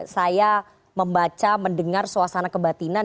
saya membaca mendengar suasana kebatinan